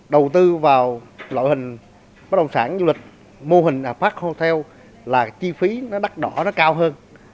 đầu tư vào loại hình bất đồng sản du lịch mô hình apat hotel là chi phí nó đắt đỏ nó cao hơn